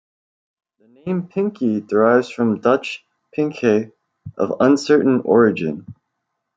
The name pinkie derives from Dutch pinkje, of uncertain origin.